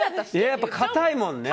やっぱり固いもんね。